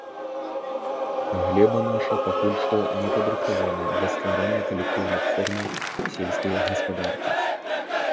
Глеба наша пакуль што не падрыхтавана да стварэння калектыўных формаў сельскай гаспадаркі.